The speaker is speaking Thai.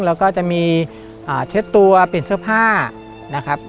แล้วก็จะมีเช็ดตัวเปลี่ยนเสื้อผ้านะครับ